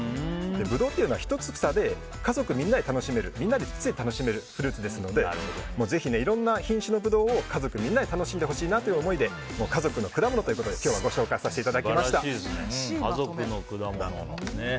ブドウというのは１房で家族みんなで楽しめるフルーツですのでぜひ、いろんな品種のブドウを家族みんなで楽しんでほしいという思いで家族の果物ということで今日は素晴らしいですね、家族の果物。